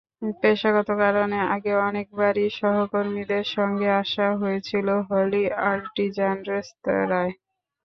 পেশাগত কারণে আগে অনেকবারই সহকর্মীদের সঙ্গে আসা হয়েছিল হলি আর্টিজান রেস্তোঁরায়।